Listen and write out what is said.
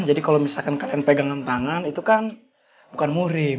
jadi kalau misalkan kalian pegang dengan tangan itu kan bukan murim